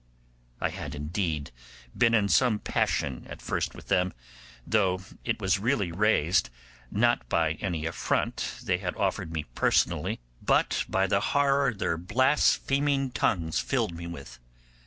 I had, indeed, been in some passion at first with them—though it was really raised, not by any affront they had offered me personally, but by the horror their blaspheming tongues filled me with.